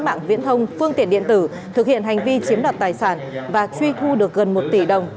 mạng viễn thông phương tiện điện tử thực hiện hành vi chiếm đoạt tài sản và truy thu được gần một tỷ đồng